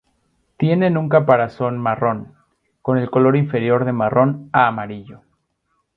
Tiene un caparazón marrón, con el color inferior de marrón a amarillo.